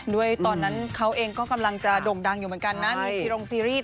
ด้วยตอนนั้นเขาเองก็กำลังจะโด่งดังอยู่เหมือนกันนะมีซีรงซีรีส์